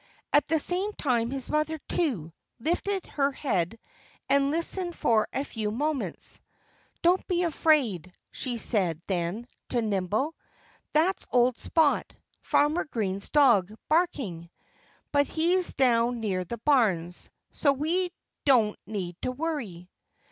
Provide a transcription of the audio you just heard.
At the same time his mother, too, lifted her head and listened for a few moments. "Don't be afraid!" she said then, to Nimble. "That's old Spot Farmer Green's dog barking. But he's down near the barns, so we don't need to worry."